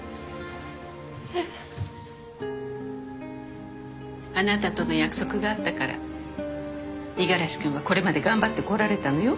えっ？あなたとの約束があったから五十嵐君はこれまで頑張ってこられたのよ。